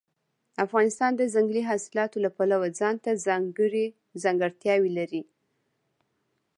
افغانستان د ځنګلي حاصلاتو له پلوه ځانته ځانګړې ځانګړتیاوې لري.